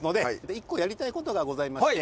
１個やりたい事がございまして。